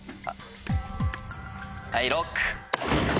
はいＬＯＣＫ。